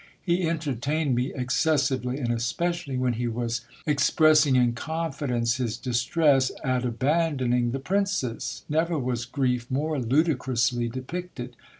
He entertained me excessively, and especially when he was expressing in confidence his distress at abandoning the princess ; never was grief more ludicrously depicted.